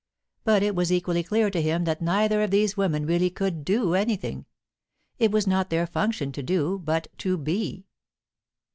But it was equally clear to him that neither of these women really could do anything; it was not their function to do, but to be.